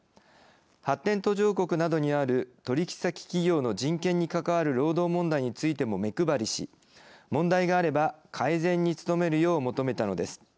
発展途上国などにある取引先企業の人権に関わる労働問題についても目配りし問題があれば、改善に努めるよう求めたのです。